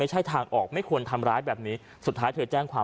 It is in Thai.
ทางออกไม่ควรทำร้ายแบบนี้สุดท้ายเธอแจ้งความ